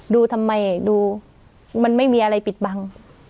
ดูทำไมดูมันไม่มีอะไรปิดบัง